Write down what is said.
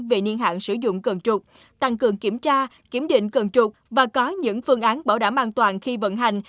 về niên hạn sử dụng cân trục tăng cường kiểm tra kiểm định cân trục và có những phương án bảo đảm an toàn khi vận hành